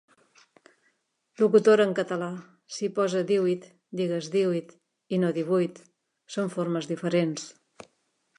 Locutora en català, si posa 'díhuit' digues 'díhuit' i no 'divuit'. Són formes diferents.